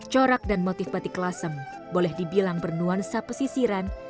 corak dan motif batik lasem boleh dibilang bernuansa pesisiran